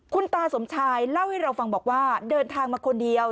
คุณตาสมชายเล่าให้เราฟังบอกว่าเดินทางมาคนเดียว